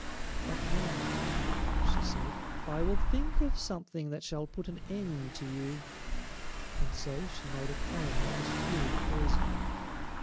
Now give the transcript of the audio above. "But now," she said, "I will think of something that shall put an end to you," and so she made a comb that was full of poison.